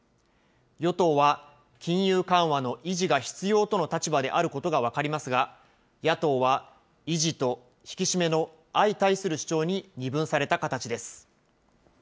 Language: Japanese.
与党は金融緩和の維持が必要との立場であることが分かりますが、野党は維持と引き締めの相対する主張に二分された形です。